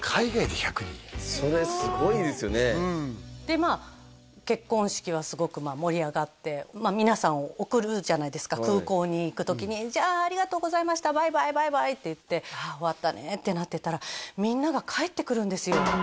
まあ結婚式はすごく盛り上がってまあ皆さんを送るじゃないですか空港に行く時にじゃあありがとうございましたバイバイバイバイって言ってああ終わったねってなってたらみんなが帰ってくるんですよ